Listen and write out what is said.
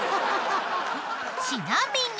［ちなみに］